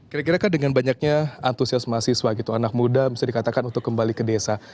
kira kira kan dengan banyaknya antusias mahasiswa gitu anak muda bisa dikatakan untuk kembali ke desa